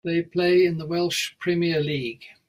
They play in the Welsh Premier League.